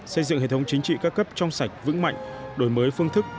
xây dựng hệ thống chính trị các cấp trong sạch vững mạnh đổi mới phương thức